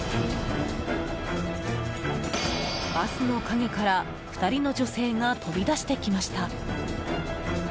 バスの陰から２人の女性が飛び出してきました。